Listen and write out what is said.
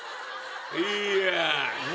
いや！